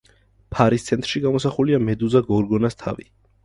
ფარის ცენტრში გამოსახულია მედუზა გორგონას თავი.